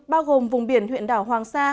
bao gồm vùng biển huyện đảo hoàng sa